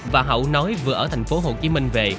và hậu nói vừa ở thành phố hồ chí minh về